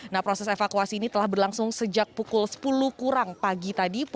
nah proses evakuasi ini telah berlangsung sejak pukul sepuluh kurang pagi tadi